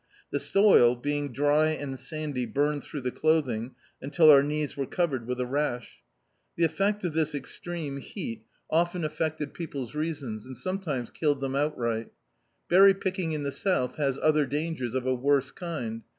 The soil, being dry and sandy burned throu^ the clothing until our knees were covered with a rash. The effect of this extreme heat often affected peo D,i.,.db, Google Berry Picking pie's reasons, and sometimes killed them outright. Berry picking in the South has other dangers of a worse kind.